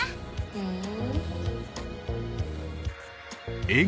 ふん。